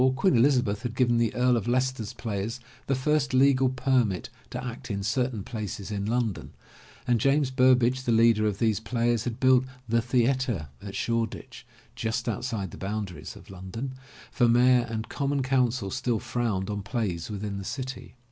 Queen Elizabeth had given the Earl of Leicester's players the first legal permit to act in certain places in London, and James Burbage, the leader of these players had built The Theatre at Shoreditch, just outside the boundaries of London, for mayor and common council still frowned on plays within the city.